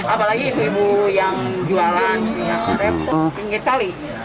apalagi ibu ibu yang jualan yang repot